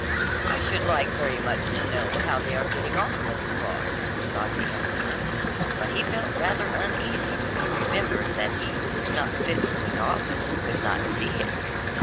"I should very much like to know how they are getting on with the cloth," thought the emperor. But he felt rather uneasy when he remembered that he who was not fit for his office could not see it.